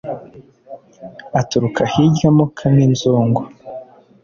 aturuka hirya amoka nk’inzungu